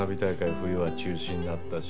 冬は中止になったし。